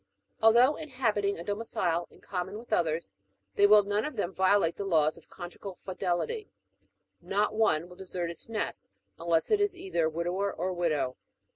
Although inhabiting a domicile in common with others, they will none of them violate the laws of conjugal fidelity : not one will desert its nest, unless it is either widower or widow.